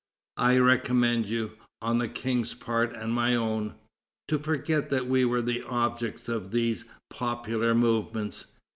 I recommend you, on the King's part and my own, to forget that we were the objects of these popular movements.